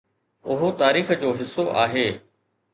اهو تاريخ جو حصو آهي